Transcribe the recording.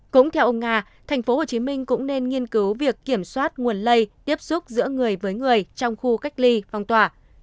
cũng theo ông nga thành phố hồ chí minh cũng nên nghiên cứu việc kiểm soát nguồn lây tiếp xúc giữa người với người trong khu cách ly phong tỏa